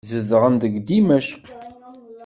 Zedɣen deg Dimecq.